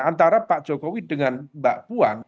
antara pak jokowi dengan mbak puan